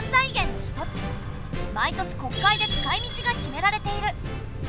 毎年国会で使いみちが決められている。